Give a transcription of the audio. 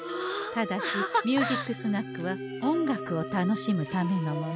ただし「ミュージックスナック」は音楽を楽しむためのもの。